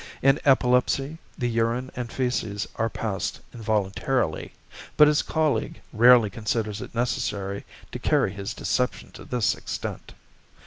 In epilepsy the urine and fæces are passed involuntarily, but his colleague rarely considers it necessary to carry his deception to this extent.